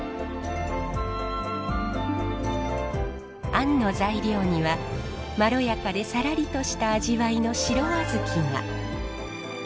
あんの材料にはまろやかでさらりとした味わいの白小豆が。